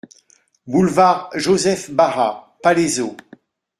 Boulevard Joseph Bara, Palaiseau